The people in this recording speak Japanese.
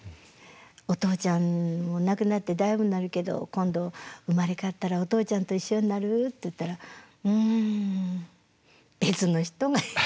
「お父ちゃん亡くなってだいぶなるけど今度生まれ変わったらお父ちゃんと一緒になる？」って言ったら「うん別の人がええ」